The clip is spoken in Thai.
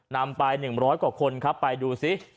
นำไป๑๐๐กว่าคนครับไปดูซิ